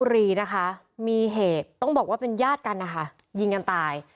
รีนะคะมีเหตุต้องบอกว่าเป็นญาติกันนะคะยิงกันตาย